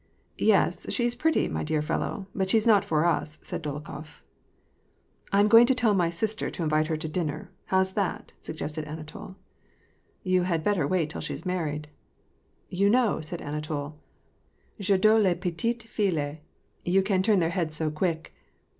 "Yes, she's pretty, my dear fellow ; but she's not for us," said Dolokhof. " I am going to tell my sister to invite her to dinner. — How's that ?" suggested Anatol. " You haa better wait till she's married "— "You know," said Anatol, ^'f adore les petites filles ; you can turn their heads so quick."